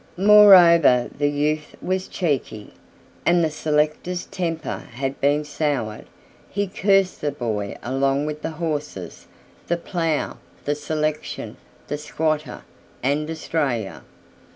Moreover the youth was cheeky, and the selector's temper had been soured: he cursed the boy along with the horses, the plough, the selection, the squatter, and Australia.